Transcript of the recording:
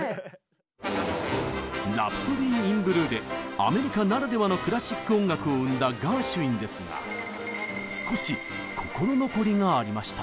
「ラプソディー・イン・ブルー」でアメリカならではのクラシック音楽を生んだガーシュウィンですが少し心残りがありました。